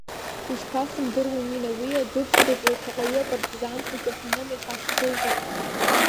Ишԥасзымдыруеи, Нина, уи адәыԥшӡаҿы шаҟаҩы апартизанцәа џьаҳаным иҳашьҭызеи!